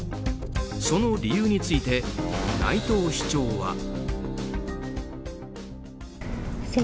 その理由について内藤市長は。